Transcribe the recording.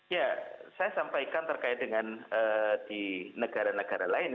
ya saya sampaikan terkait dengan di negara negara lain